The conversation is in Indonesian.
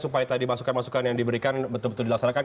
supaya tadi masukan masukan yang diberikan betul betul dilaksanakan